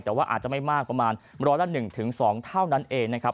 แต่ว่าอาจจะไม่มากประมาณร้อยละ๑๒เท่านั้นเองนะครับ